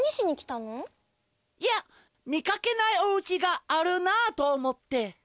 いや見かけないおうちがあるなあとおもって。